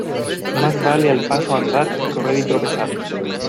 Más vale al paso andar que correr y tropezar.